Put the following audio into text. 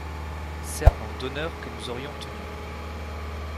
Serment d’honneur que nous aurions tenu.